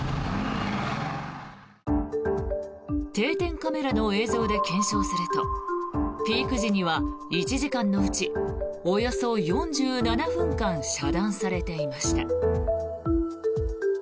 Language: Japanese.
定点カメラの映像で検証するとピーク時には１時間のうちおよそ４７分間遮断されていました。